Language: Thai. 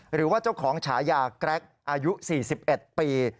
หรือว่าเจ้าของฉายาแกรกอายุ๔๑ปี